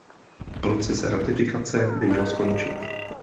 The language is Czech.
Proces ratifikace by měl skončit.